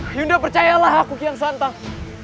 hyundai percayalah aku kian santang